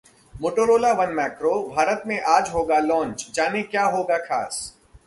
Motorola One Macro Bharat में आज होगा लॉन्च, जानें क्या होगा खास